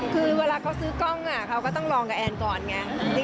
คือเวลาเขาซื้อกล้องเขาก็ต้องลองกับแอนก่อนไง